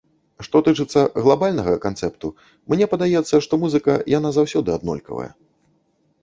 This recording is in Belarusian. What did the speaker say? Што тычыцца глабальнага канцэпту, мне падаецца, што музыка, яна заўсёды аднолькавая.